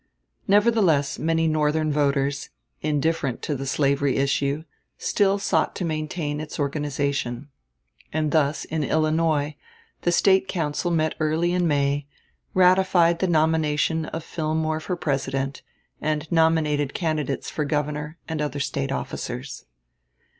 Nevertheless many Northern voters, indifferent to the slavery issue, still sought to maintain its organization; and thus in Illinois the State Council met early in May, ratified the nomination of Fillmore for President, and nominated candidates for Governor, and other State officers.